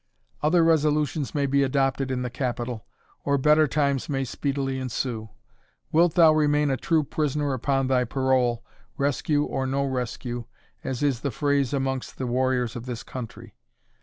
Other resolutions may be adopted in the capital, or better times may speedily ensue. Wilt thou remain a true prisoner upon thy parole, rescue or no rescue, as is the phrase amongst the warriors of this country?